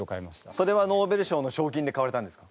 それはノーベル賞の賞金で買われたんですか？